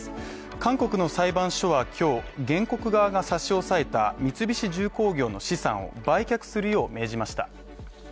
韓国の裁判所は今日、原告側が差し押さえた三菱重工業の資産を売却するよう命じました。